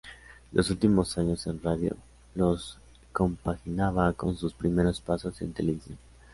Los últimos años en radio los compaginaba con sus primeros pasos en televisión.